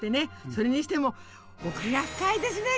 それにしても奥が深いですね